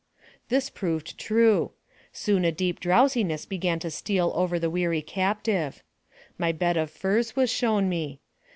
This proved true. Soon a deep drowsiness began to steal over the weary captive. My bed of furs was shown me.